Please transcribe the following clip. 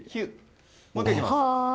もう１回いきます。